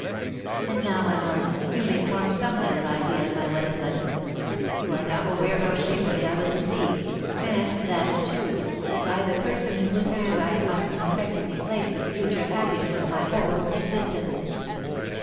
And now, my lord, you may form some little idea of my wedded life; you are now aware how shamefully I was deceived, and that, too, by the person in whose hands I unsuspectingly placed the future happiness of my whole existence.